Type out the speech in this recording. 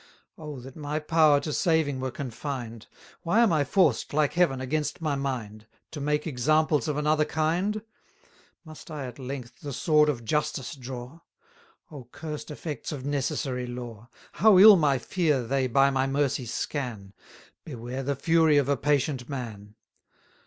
O that my power to saving were confined! Why am I forced, like Heaven, against my mind; 1000 To make examples of another kind? Must I at length the sword of justice draw? Oh, cursed effects of necessary law! How ill my fear they by my mercy scan! Beware the fury of a patient man!